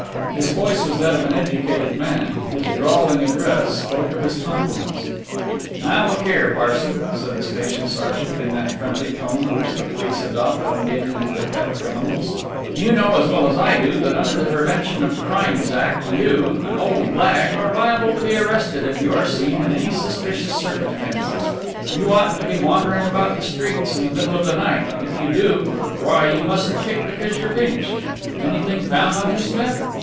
His voice was that of an educated man, his drawling address spoke of his confidence. "Now look here, Parson," said the station sergeant, in that friendly tone which the police adopt when dealing with their pet criminals, "you know as well as I do that under the Prevention of Crimes Act you, an old lag, are liable to be arrested if you are seen in any suspicious circumstances you oughtn't to be wandering about the streets in the middle of the night, and if you do, why you mustn't kick because you're pinched anything found on him, Smith?"